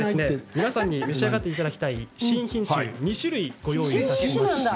皆さんに召し上がっていただきたい新品種の２種類をご用意しました。